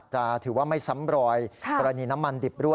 จะถือว่าไม่ซ้ำรอยกรณีน้ำมันดิบรั่